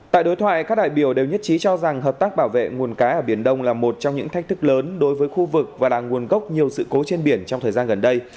tại đối thoại các đại biểu đều nhất trí cho rằng hợp tác bảo vệ nguồn cá ở biển đông là một trong những thách thức lớn đối với khu vực và là nguồn gốc nhiều sự cố trên biển trong thời gian gần đây